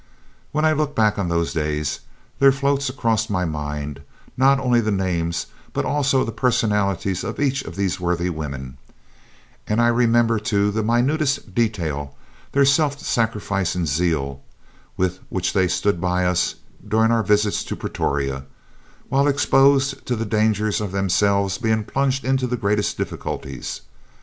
"When I look back on those days, there floats across my mind not only the names, but also the personality of each of these worthy women, and I remember to the minutest detail their self sacrifice and the zeal with which they stood by us during our visits to Pretoria, while exposed to the danger of themselves being plunged into the greatest difficulties.